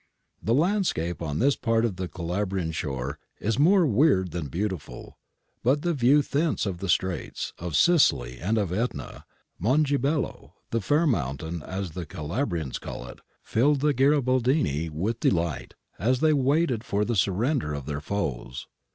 The landscape on this part of the Calabrian shore is more weird than beautiful, but the view thence of the Straits, of Sicily and of iEtna — Mongihello, 'the fair mountain,' as the Calabrians call it — filled the Garibaldini with de light as they waited for the surrender of their foes.